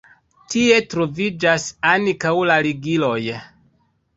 Tie troviĝas ankaŭ la ligiloj.